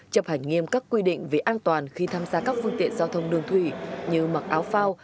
chấp hành nghiêm các quy định về an toàn khi tham gia các phương tiện giao thông đường thủy như mặc áo phao